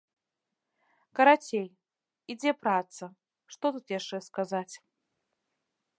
Карацей, ідзе праца, што яшчэ тут сказаць?